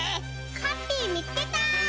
ハッピーみつけた！